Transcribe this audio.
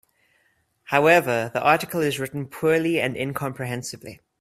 However, the article is written poorly and incomprehensibly.